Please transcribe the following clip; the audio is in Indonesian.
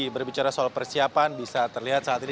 berbicara soal persiapan bisa terlihat saat ini